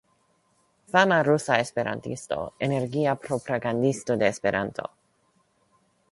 Fama rusa esperantisto, energia propagandisto de Esperanto.